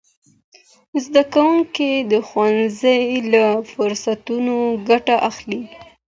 زدهکوونکي د ښوونځي له فرصتونو ګټه اخلي.